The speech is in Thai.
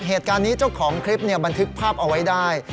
เหตุการณ์นี้เจ้าของคลิปบันทึกภาพเอาไว้ได้